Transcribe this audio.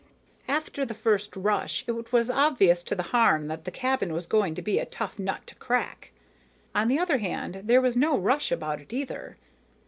After the first rush, it was obvious to the Harn that the cabin was going to be a tough nut to crack. On the other hand, there was no rush about it either.